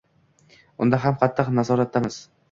Unda ham qattiq nazoratdamiz.